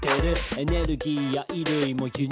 「エネルギーや衣類も輸入が多い」